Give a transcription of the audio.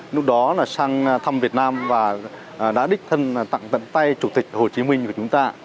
lúc đó là sang thăm việt nam và đã đích thân tặng tận tay chủ tịch hồ chí minh của chúng ta